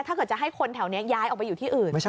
ถ้าเกิดจะให้คนแถวนี้ย้ายออกไปอยู่ที่อื่น